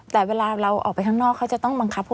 แต่เวลาเราออกไปทางนอก